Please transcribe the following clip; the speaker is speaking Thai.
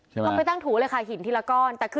เขาไปตั้งถูเลยค่ะหินทีละก้อน